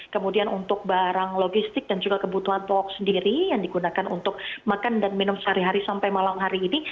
kemudian untuk barang logistik dan juga kebutuhan pokok sendiri yang digunakan untuk makan dan minum sehari hari sampai malam hari ini